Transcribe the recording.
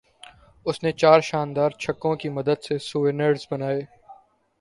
اس نے چار شاندار چھکوں کی مدد سے سو رنز بنائے